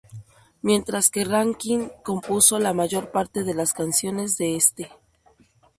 Mientras que Rankin compuso la mayor parte de las canciones de este.